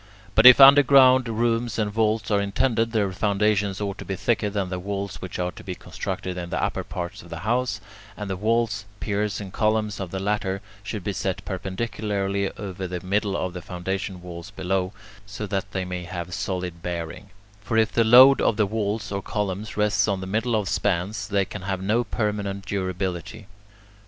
But if underground rooms and vaults are intended, their foundations ought to be thicker than the walls which are to be constructed in the upper part of the house, and the walls, piers, and columns of the latter should be set perpendicularly over the middle of the foundation walls below, so that they may have solid bearing; for if the load of the walls or columns rests on the middle of spans, they can have no permanent durability.